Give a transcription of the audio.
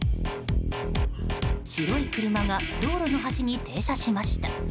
白い車が道路の端に停車しました。